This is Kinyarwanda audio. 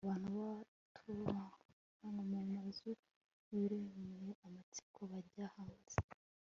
abantu baturumbukaga mu mazu biremyemo amatsinda bakajya hanze